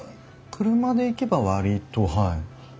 車で行けば割とはい。